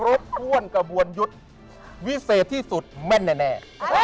ครบถ้วนกระบวนยุทธ์วิเศษที่สุดแม่นแน่